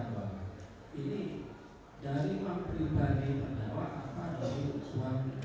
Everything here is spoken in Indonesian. berupa memposting tentang rian rian yang ada di